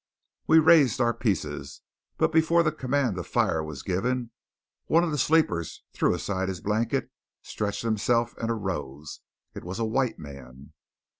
We raised our pieces, but before the command to fire was given, one of the sleepers threw aside his blanket, stretched himself and arose. It was a white man!